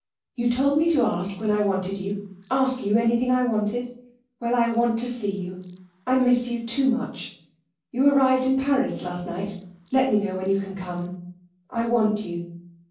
You told me to ask you when I wanted you ask you anything I wanted. Well, I want to see you. I miss you too much. You arrived in Paris last night. Let me knew when you can come. I want you.